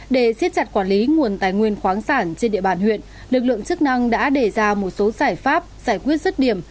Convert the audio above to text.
để siết chặt quản lý nguồn tài nguyên khoáng sản trên địa bàn huyện lực lượng chức năng đã đề ra một số giải pháp giải quyết rứt điểm